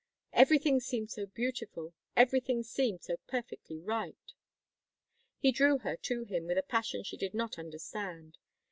"Everything seemed so beautiful; everything seemed so perfectly right." He drew her to him with a passion she did not understand.